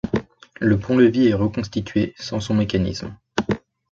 Le pont-levis est reconstitué, sans son mécanisme.